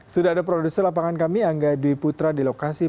sudah ada produser lapangan kami angga dwi putra di lokasi